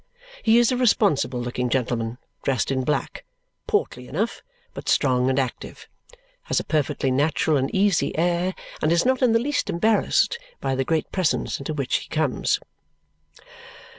He is a responsible looking gentleman dressed in black, portly enough, but strong and active. Has a perfectly natural and easy air and is not in the least embarrassed by the great presence into which he comes.